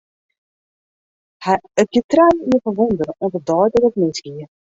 It gie trije jier foar wûnder, oant de dei dat it misgie.